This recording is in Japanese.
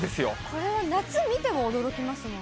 これは夏見ても驚きますよね。